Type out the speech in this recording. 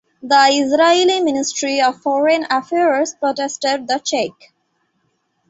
The Israeli Ministry of Foreign Affairs protested the check.